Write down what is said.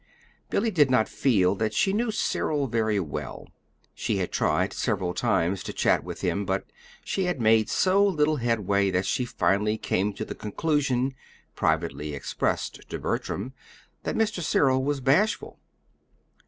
Billy did not feel that she knew Cyril very well. She had tried several times to chat with him; but she had made so little headway, that she finally came to the conclusion privately expressed to Bertram that Mr. Cyril was bashful.